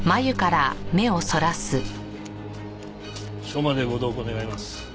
署までご同行願います。